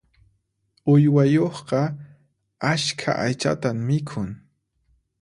Uywayuqqa askha aychatan mikhun.